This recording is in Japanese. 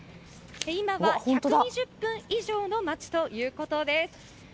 今は１２０分以上の待ちということです。